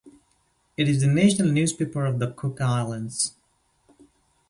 It is the national newspaper of the Cook Islands.